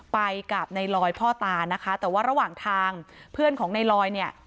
ไปกับในลอยพ่อตานะคะแต่ว่าระหว่างทางเพื่อนของในลอยเนี่ย